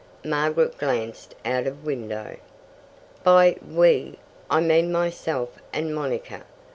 Margaret glanced out of window. "By 'we' I mean myself and Monica.